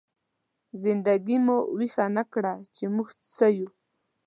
زنده ګي مو ويښه نه کړه، چې موږ څه يو؟!